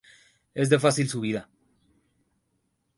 Es de fácil subida.